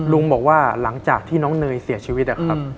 ลุงบอกว่าหลังจากที่น้องเนยเสียชีวิตนะครับ